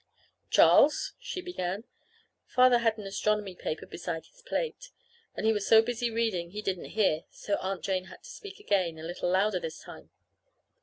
"Charles," she began. Father had an astronomy paper beside his plate, and he was so busy reading he didn't hear, so Aunt Jane had to speak again a little louder this time.